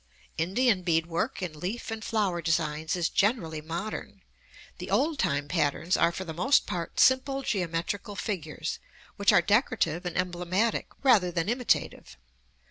Indian beadwork in leaf and flower designs is generally modern. The old time patterns are for the most part simple geometrical figures, which are decorative and emblematic rather than imitative.